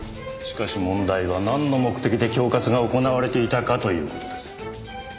しかし問題はなんの目的で恐喝が行われていたかという事です。